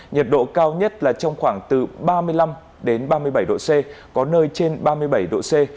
nhiệt độ cao nhất là trong khoảng từ ba mươi năm ba mươi bảy độ c có nơi trên ba mươi bảy độ c